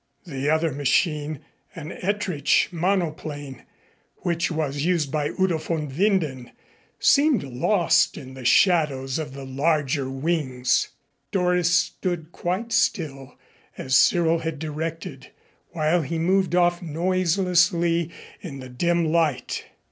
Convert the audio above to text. The other machine, an Etrich monoplane, which was used by Udo von Winden, seemed lost in the shadows of the larger wings. Doris stood quite still, as Cyril had directed, while he moved off noiselessly in the dim light.